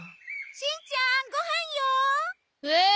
しんちゃーんごはんよー！